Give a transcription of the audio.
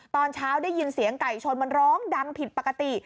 ตอนเช้าได้ยินเสียงไก่ชนมันร้องดังผิดปกติ